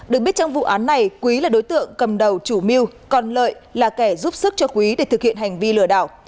được biết trong vụ án này quý là đối tượng cầm đầu chủ mưu còn lợi là kẻ giúp sức cho quý để thực hiện hành vi lừa đảo